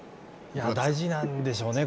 いや、大事なんでしょうね